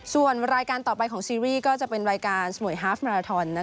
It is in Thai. ส่วนรายการต่อไปของซีรีส์ก็จะเป็นรายการสมุยฮาฟมาราทอน